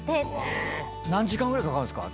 何時間ぐらいかかるんですか？